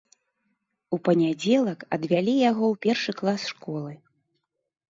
У панядзелак адвялі яго ў першы клас школы.